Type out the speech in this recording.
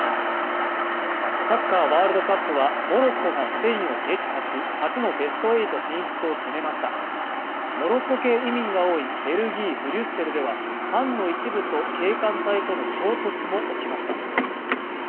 サッカーワールドカップはモロッコがスペインを撃破し初のベスト８進出を決めましたモロッコ系移民が多いベルギーブリュッセルではファンの一部と警官隊との衝突も起きました